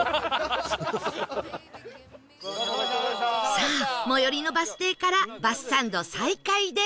さあ最寄りのバス停からバスサンド再開です